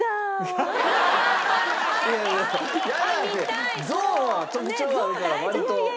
いやいや「ヤダ」ってゾウは特徴あるから割と。